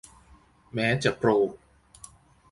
แม้จะโปร